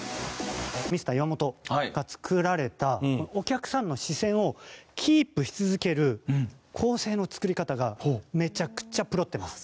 ミスター岩本が作られたお客さんの視線をキープし続ける構成の作り方がめちゃくちゃプロってます。